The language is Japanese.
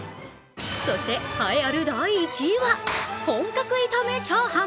そして、栄えある第１位は本格炒め炒飯。